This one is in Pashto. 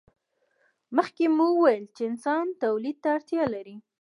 مخکې مو وویل چې انسانان تولید ته اړتیا لري.